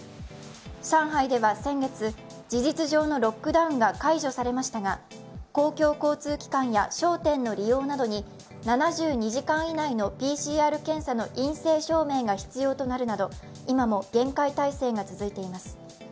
上海では先月、事実上のロックダウンが解除されましたが公共交通機関や商店の利用などに７２時間以内のＰＣＲ検査の陰性証明が必要となるなど、今も厳戒態勢が続いています。